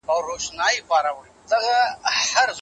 سپین سرې د نیکونو په څېر ژوند غوښت.